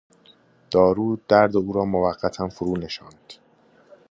دارو درد او را موقتا فرو نشاند.